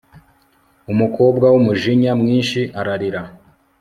umukobwa n'umujinya mwinshi ararira